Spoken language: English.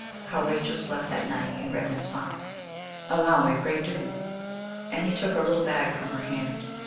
HOW RACHEL SLEPT THAT NIGHT IN REDMAN'S FARM. 'Allow me pray do,' and he took her little bag from her hand.